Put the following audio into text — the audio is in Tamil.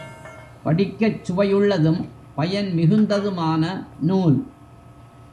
படிக்கச்சுவையுள்ளதும் பயன் மிகுந்ததுமான நூல்.